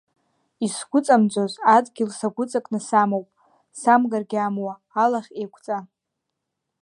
Исгәыҵамӡоз адгьыл сагәыҵакны самоуп, самгаргьы амуа, алахь еиқәҵа.